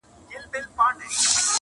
o ځيني يې درد بولي ډېر,